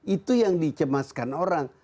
itu yang dicemaskan orang